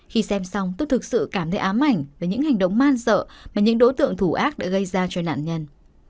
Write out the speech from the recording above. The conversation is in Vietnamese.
khi xem xong tôi thực sự cảm thấy ám ảnh về những hành động man sợ mà những đối tượng thủ ác đã gây ra cho nạn nhân